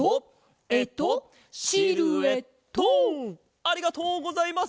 ありがとうございます！